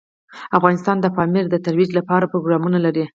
افغانستان د پامیر د ترویج لپاره پروګرامونه لري.